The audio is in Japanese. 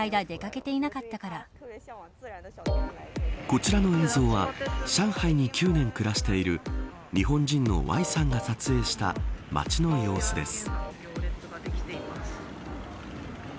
こちらの映像は上海に９年暮らしている日本人のＹさんが撮影した街の様子です。